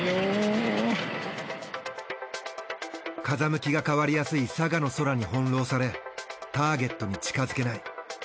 風向きが変わりやすい佐賀の空に翻弄されターゲットに近づけない。